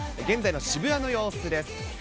現在の渋谷の様子です。